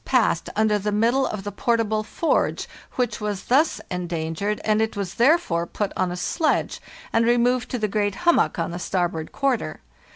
51 passed under the middle of the portable forge, which was thus endangered, and it was therefore put on a sledge and removed to the great hummock on the starboard quarter.